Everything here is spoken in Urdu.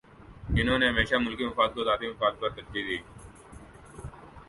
انہوں نے ہمیشہ ملکی مفاد کو ذاتی مفاد پر ترجیح دی